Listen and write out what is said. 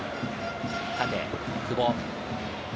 縦、久保。